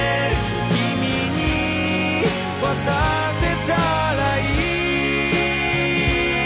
「君に渡せたらいい」